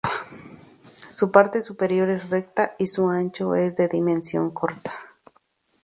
Su parte superior es recta y su ancho es de dimensión corta.